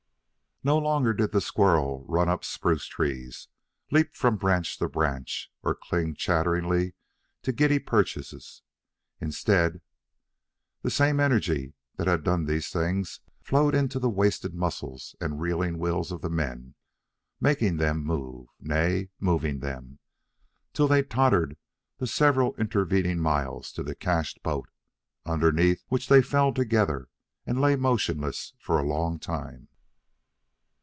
No longer did the squirrel run up spruce trees, leap from branch to branch, or cling chattering to giddy perches. Instead, the same energy that had done these things flowed into the wasted muscles and reeling wills of the men, making them move nay, moving them till they tottered the several intervening miles to the cached boat, underneath which they fell together and lay motionless a long time.